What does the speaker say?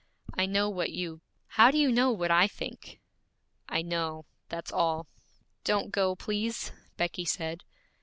I know what you ' 'How do you know what I think?' 'I know; that's all.' 'Don't go, please,' Becky said.